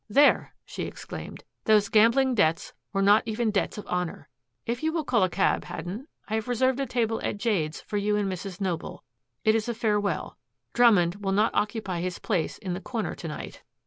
"There," she exclaimed. "These gambling debts were not even debts of honor. If you will call a cab, Haddon, I have reserved a table at Jade's for you and Mrs. Noble. It is a farewell. Drummond will not occupy his place in the corner to night.